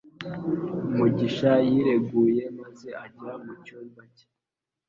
Mugisha yireguye maze ajya mu cyumba cye